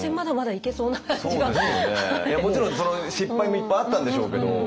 もちろん失敗もいっぱいあったんでしょうけど。